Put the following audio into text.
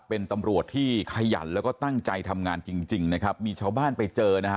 เป็นตำรวจที่ขยันแล้วก็ตั้งใจทำงานจริงจริงนะครับมีชาวบ้านไปเจอนะฮะ